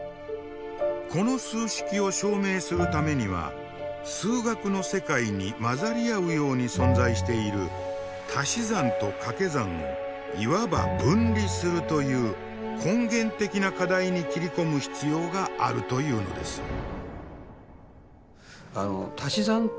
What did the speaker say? この数式を証明するためには数学の世界に混ざり合うように存在しているたし算とかけ算をいわば分離するという根源的な課題に切り込む必要があるというのです。